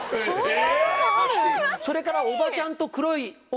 それから。